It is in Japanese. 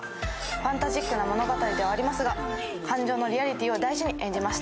ファンタジックな物語ではありますが感情のリアリティーを大事に演じました。